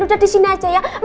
udah disini aja ya